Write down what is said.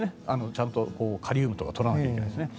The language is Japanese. ちゃんとカリウムとか取らなきゃいけないですね。